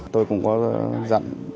tôi cũng có dặn